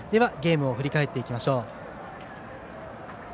ゲームを振り返っていきましょう。